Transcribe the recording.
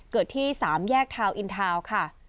เกิดที่๓แยกทาวน์อินทาวน์ค่ะ